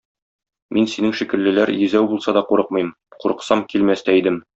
Мин синең шикеллеләр йөзәү булса да курыкмыйм, курыксам, килмәс тә идем.